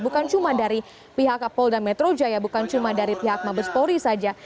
bukan cuma dari pihak kapolri dan metro jaya bukan cuma dari pihak mabes polri saja